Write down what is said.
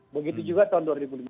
begitu juga tahun dua ribu lima belas